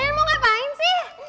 neng mau ngapain sih